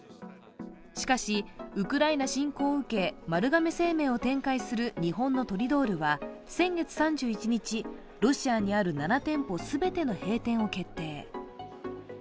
しかし、ウクライナ侵攻を受け、丸亀製麺を展開する日本のトリドールは、先月３１日、ロシアにある７店舗全ての閉店を決定。